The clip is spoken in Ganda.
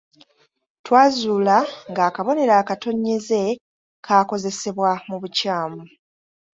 Twazuula ng'akabonero akatonnyeze kaakozesebwa mu bukyamu.